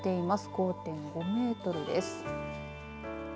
５．５メートルです。